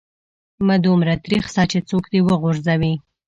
مه دومره تريخ سه چې څوک دي و غورځوي.